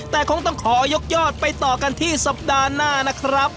แต่คงต้องขอยกยอดไปต่อกันที่สัปดาห์หน้านะครับ